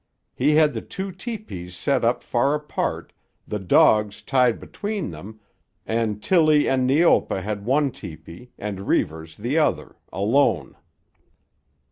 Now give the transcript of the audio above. He had the two tepees set up far apart, the dogs tied between them, and Tillie and Neopa had one tepee, and Reivers the other, alone.